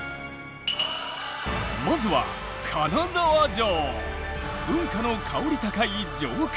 まずは金沢城！